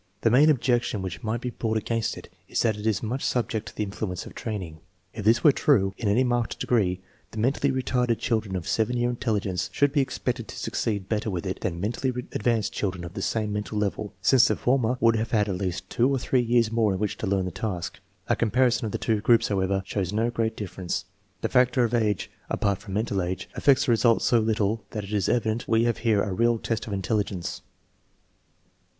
The main objection which might be brought against it is that it is much subject to the influence of training. If this were true in any marked degree, the mentally retarded children of 7 year intelligence should be expected to succeed better with it than mentally advanced children of the same mental level, since the former would have had at least two or three years more in which to learn the task. A com parison of the two groups, however, shows no great dif ference. The factor of age, apart from mental age, affects the results so little that it is evident we have here a real test of intelligence.